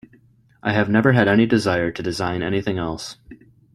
I have never had any desire to design anything else.